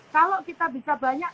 kalau kita bisa banyak